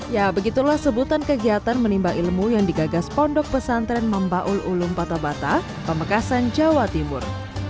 ya begitulah sebutan kegiatan menimba ilmu yang digagas pondok pesantren membaul ulum bata bata pamekasan jawa timur